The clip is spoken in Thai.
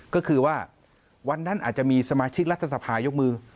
ก็คือว่าวันนั้นอาจจะมีสมาชิกรัฐสภายกมือ